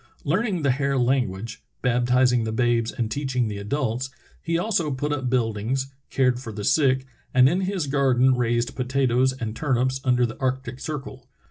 Learning the Hare language, baptizing the babes and teaching the adults, he also put up buildings, cared for the sick, and in his garden raised potatoes and turnips under the arctic circle.